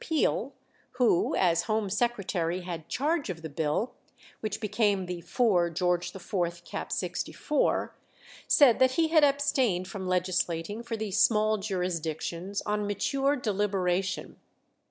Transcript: Peel, who as Home Secretary had charge of the bill, which became the 4 Geo. IV. cap. 64, said that he had abstained from legislating for these small jurisdictions "on mature deliberation."